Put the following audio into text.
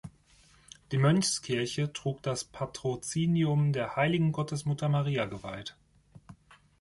Die Mönchskirche trug das Patrozinium der heiligen Gottesmutter Maria geweiht.